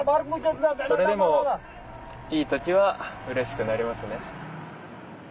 それでもいい時はうれしくなりますね。